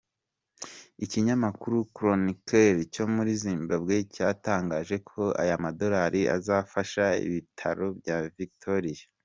Ikinyamakuru ‘Chronicle’ cyo muri Zimbabwe cyatangaje ko aya madorali azafasha ibitaro bya Victoria.